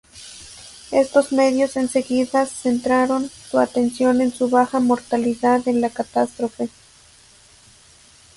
Estos medios enseguida centraron su atención en su baja mortalidad en la catástrofe.